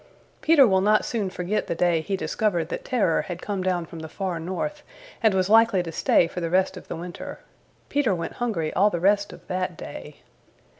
Peter will not soon forget the day he discovered that Terror had come down from the Far North, and was likely to stay for the rest of the winter. Peter went hungry all the rest of that day.